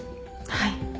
はい。